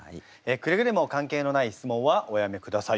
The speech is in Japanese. くれぐれも関係のない質問はおやめください。